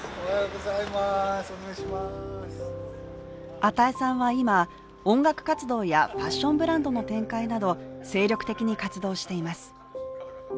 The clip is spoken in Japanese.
與さんは今、音楽活動やファッションブランドの展開など精力的に活動しています。